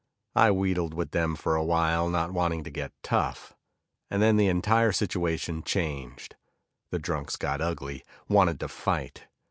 I wheedled with them for a while, not wanting to get tough. And then the entire situation changed. The drunks got ugly, wanted to fight.